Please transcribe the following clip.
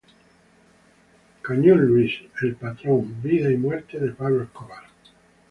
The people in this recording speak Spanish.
Cañón Luis; El patrón: vida y muerte de Pablo Escobar.